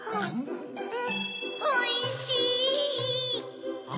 おいしい！